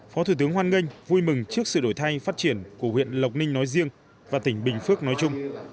phó thủ tướng hoan nghênh vui mừng trước sự đổi thay phát triển của huyện lộc ninh nói riêng và tỉnh bình phước nói chung